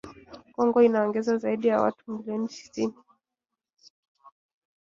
Kongo inaongeza zaidi ya watu milioni tisini